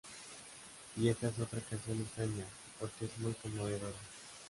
Y esa es otra canción extraña, porque es muy conmovedora.